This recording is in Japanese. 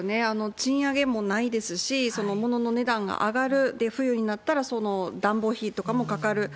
賃上げもないですし、物の値段が上がる、冬になったら暖房費とかもかかる。